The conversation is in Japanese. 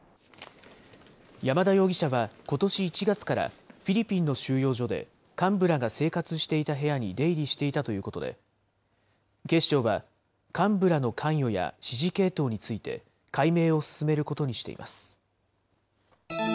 山田容疑者は、ことし１月からフィリピンの収容所で、幹部らが生活していた部屋に出入りしていたということで、警視庁は幹部らの関与や指示系統について解明を進めることにしています。